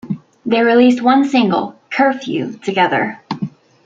They released one single, "Curfew", together.